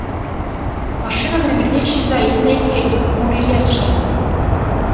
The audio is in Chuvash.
Машина номерне ҫырса илнӗ иккен, мур илесшӗ.